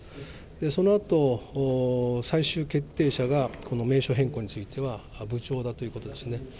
そのあと、最終決定者がこの名称変更については部長だということですね。